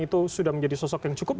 itu sudah menjadi sosok yang cukup